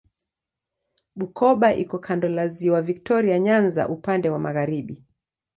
Bukoba iko kando la Ziwa Viktoria Nyanza upande wa magharibi.